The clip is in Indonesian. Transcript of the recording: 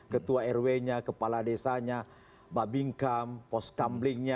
ketua rw nya kepala desanya babing kam pos kamlingnya